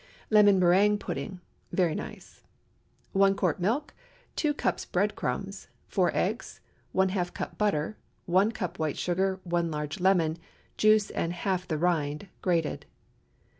LEMON MÉRINGUE PUDDING (very nice.) 1 quart milk. 2 cups bread crumbs. 4 eggs. ½ cup butter. 1 cup white sugar. 1 large lemon—juice and half the rind, grated.